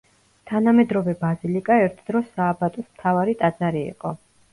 თანამედროვე ბაზილიკა, ერთ დროს სააბატოს მთავარი ტაძარი იყო.